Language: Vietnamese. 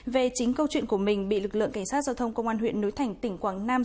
về chính câu chuyện của mình bị lực lượng cảnh sát giao thông công an huyện núi thành tỉnh quảng nam